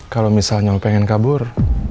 kalau misalnya pengen kabur